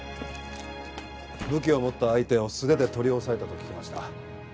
武器を持った相手を素手で取り押さえたと聞きました。